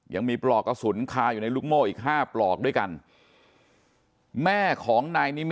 ยังมีปลอกกระสุนคาอยู่ในลุกโม่อีก๕ปลอกด้วยกัน